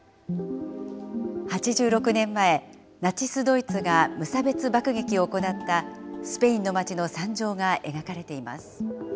８６年前、ナチス・ドイツが無差別爆撃を行ったスペインの町の惨状が描かれています。